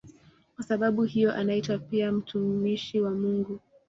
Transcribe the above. Kwa sababu hiyo anaitwa pia "mtumishi wa Mungu".